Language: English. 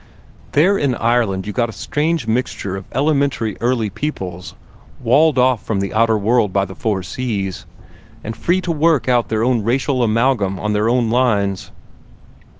There in Ireland you got a strange mixture of elementary early peoples, walled off from the outer world by the four seas, and free to work out their own racial amalgam on their own lines.